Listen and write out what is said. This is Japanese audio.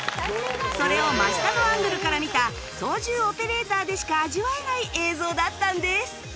それを真下のアングルから見た操縦オペレーターでしか味わえない映像だったんです